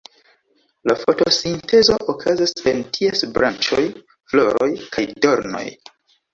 La fotosintezo okazas en ties branĉoj, floroj kaj dornoj.